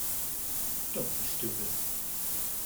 Don't be stupid.